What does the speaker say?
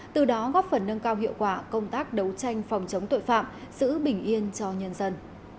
từ đó góp phần nâng cao hiệu quả công tác đấu tranh phòng chống tội phạm giữ bình yên cho nhân dân